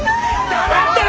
黙ってろ！！